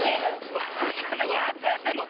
わかんないわかんないもう。